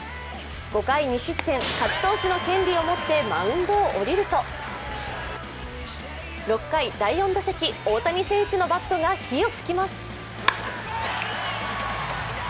５回２失点、勝ち投手の権利を持ってマウンドを降りると６回、第４打席、大谷選手のバットが火を噴きます。